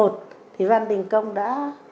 thì văn đình công đã